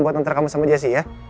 buat nanti kamu sama jessy ya